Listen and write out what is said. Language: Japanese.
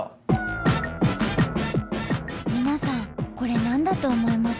皆さんこれ何だと思います？